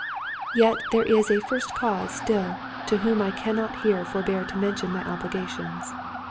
Yet, there is a first cause still, to whom I cannot here forbear to mention my obligations.